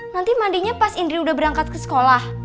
nanti mandinya pas indri udah berangkat ke sekolah